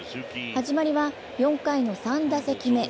始まりは４回の３打席目。